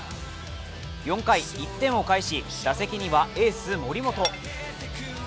４回１点を返し、打席にはエース・森本。